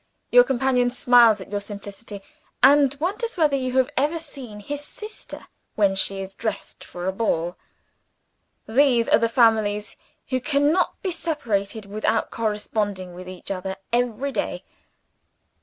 Your companion smiles at your simplicity, and wonders whether you have ever seen his sister when she is dressed for a ball. These are the families who cannot be separated without corresponding with each other every day.